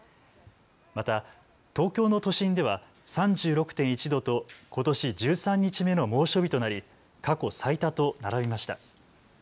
また東京の都心では３６．１度とことし１３日目の猛暑日となり過去最多と並びました。